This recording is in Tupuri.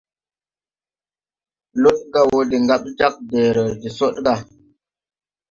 Lodgà wɔ de ŋgaɓ jag ɗeere de Sɔdgà.